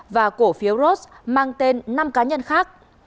và cổ phiếu ros mang tên năm cá nhân khác